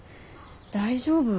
大丈夫？